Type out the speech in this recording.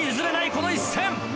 この１戦。